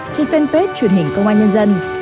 trên fanpage truyền hình công an nhân dân